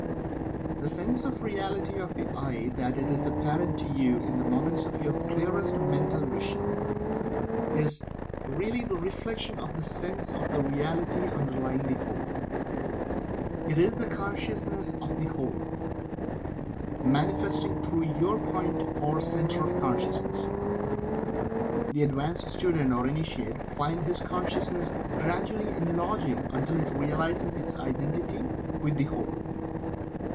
The sense of Reality of the "I" that is apparent to You in the moments of your clearest mental vision, is really the reflection of the sense of Reality underlying the Whole it is the consciousness of the Whole, manifesting through your point or Centre of Consciousness. The advanced student or Initiate finds his consciousness gradually enlarging until it realizes its identity with the Whole.